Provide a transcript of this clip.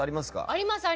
あります。